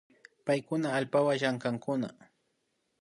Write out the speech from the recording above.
Paykuna allpawan llankankuna